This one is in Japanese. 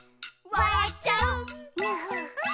「わらっちゃう」